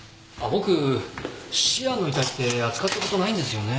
僕シアンの遺体って扱った事ないんですよね。